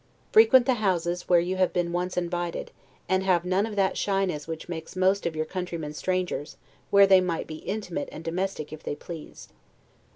Frequent the houses where you have been once invited, and have none of that shyness which makes most of your countrymen strangers, where they might be intimate and domestic if they pleased.